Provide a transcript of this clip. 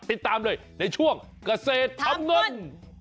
ติดตามเลยในช่วงเกษตรทำเงิน